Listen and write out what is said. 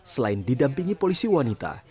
selain didampingi polisi wanita